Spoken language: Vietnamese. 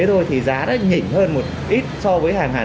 chị ơi bên mình còn test không chị ạ